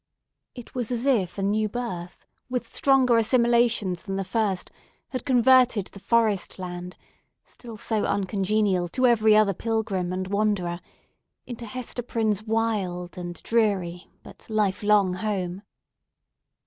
It was as if a new birth, with stronger assimilations than the first, had converted the forest land, still so uncongenial to every other pilgrim and wanderer, into Hester Prynne's wild and dreary, but life long home.